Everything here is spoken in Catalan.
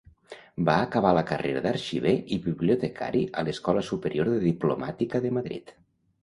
Va acabar la carrera d'arxiver i bibliotecari a l'Escola Superior de Diplomàtica de Madrid.